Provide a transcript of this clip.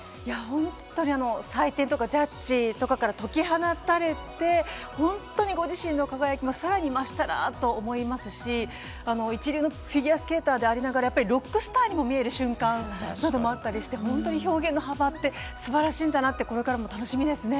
本当に採点やジャッジから解き放たれて、本当にご自身の輝きがさらに増したなと思いますし、一流のフィギアスケーターでありながら、ロックスターにも見える瞬間があったりして、表現の幅って素晴らしいんだなって、これからも楽しみですね。